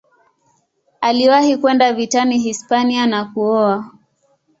Aliwahi kwenda vitani Hispania na kuoa.